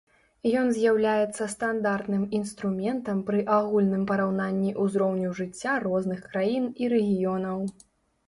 Ён з'яўляецца стандартным інструментам пры агульным параўнанні ўзроўню жыцця розных краін і рэгіёнаў.